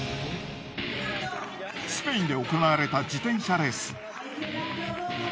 スペインで行われた自転車レース。